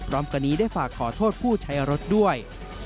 กันนี้ได้ฝากขอโทษผู้ใช้รถด้วย